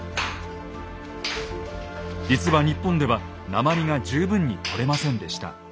実は日本では鉛が十分に採れませんでした。